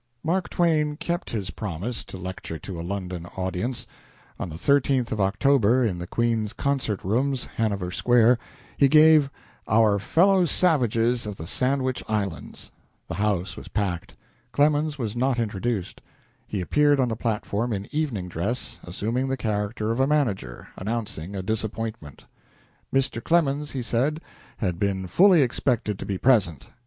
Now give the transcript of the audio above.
Mark Twain kept his promise to lecture to a London audience. On the 13th of October, in the Queen's Concert Rooms, Hanover Square, he gave "Our Fellow Savages of the Sandwich Islands." The house was packed. Clemens was not introduced. He appeared on the platform in evening dress, assuming the character of a manager, announcing a disappointment. Mr. Clemens, he said, had fully expected to be present.